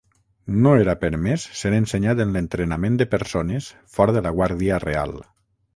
No era permès ser ensenyat en l'entrenament de persones fora de la guàrdia real.